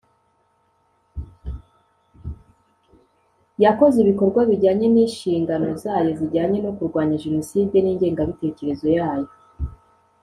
yakoze ibikorwa bijyanye n'inshingano zayo zijyanye no kurwanya jenoside n'ingengabitekerezo yayo